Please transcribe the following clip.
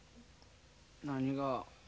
何が？